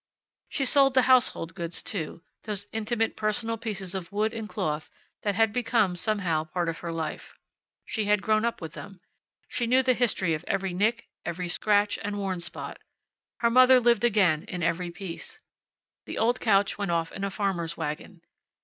She sold the household goods too those intimate, personal pieces of wood and cloth that had become, somehow, part of her life. She had grown up with them. She knew the history of every nick, every scratch and worn spot. Her mother lived again in every piece. The old couch went off in a farmer's wagon.